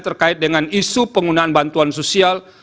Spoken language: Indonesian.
terkait dengan isu penggunaan bantuan sosial